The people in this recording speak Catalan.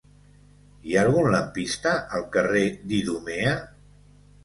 Hi ha algun lampista al carrer d'Idumea?